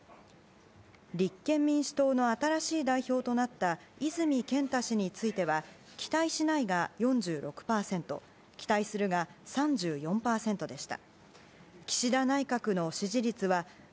立憲民主党の新しい代表となった泉健太氏については期待しないが４６％期待するが３４％でした。